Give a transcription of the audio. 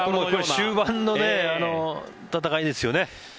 終盤の戦いですよね。